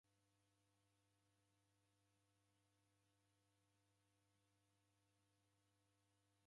Mwaghisikire agho ghiw'onekie aja Ilole?